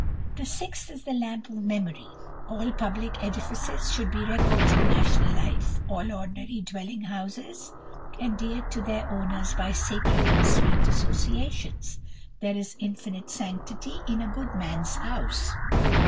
The sixth is the Lamp of Memory: "All public edifices should be records of national life, all ordinary dwelling houses endeared to their owners by sacred and sweet associations. There is infinite sanctity in a good man's house!"